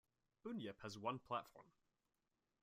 Bunyip has one platform.